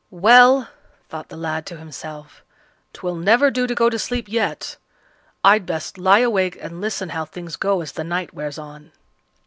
"Well!" thought the lad to himself, "'twill never do to go to sleep yet. I'd best lie awake and listen how things go as the night wears on."